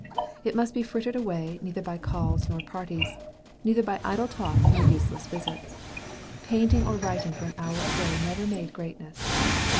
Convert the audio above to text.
It must be frittered away neither by calls nor parties; neither by idle talk nor useless visits. Painting or writing for an hour a day never made greatness.